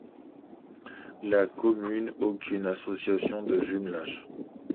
La commune aucune association de jumelage.